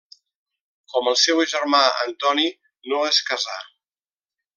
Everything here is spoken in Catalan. Com el seu germà Antoni, no es casà.